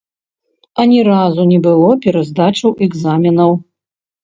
Ані разу не было пераздачаў экзаменаў.